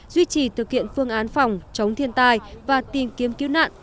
duy trì thực hiện phương án phòng chống thiên tai và tìm kiếm cứu nạn